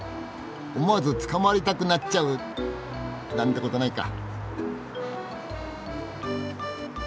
思わず捕まりたくなっちゃうなんてことないか。